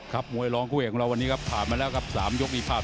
ครับมวยร้องกุ้งเองเราวันนี้ครับผ่านมาแล้วครับ๓ยกดีภาพ